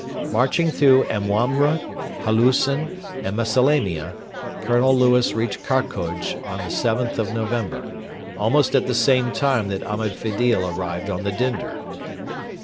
Marching through Awamra, Haloosen, and Mesalamia, Colonel Lewis reached Karkoj on the 7th of November, almost at the same time that Ahmed Fedil arrived on the Dinder.